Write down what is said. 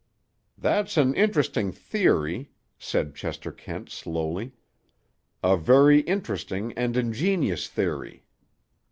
"That's an interesting theory," said Chester Kent slowly. "A very interesting and ingenious theory.